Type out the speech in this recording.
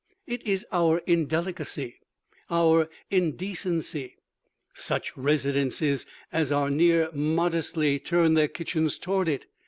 It is our indelicacy, our indecency. Such "residences" as are near modestly turn their kitchens toward it.